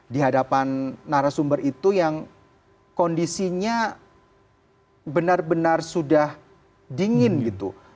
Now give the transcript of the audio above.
di hadapan narasumber itu yang kondisinya benar benar sudah dingin gitu